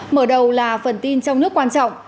mở đầu là phần tin trong nước quan trọng